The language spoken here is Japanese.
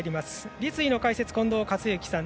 立位の解説、近藤克之さん。